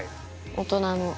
大人の。